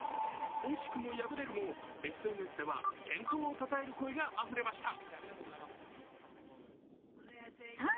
惜しくも敗れるもＳＮＳでは健闘をたたえる声があふれました。